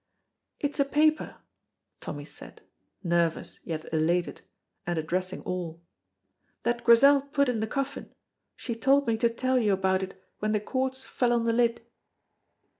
"It's a paper," Tommy said, nervous yet elated, and addressing all, "that Grizel put in the coffin. She told me to tell you about it when the cords fell on the lid."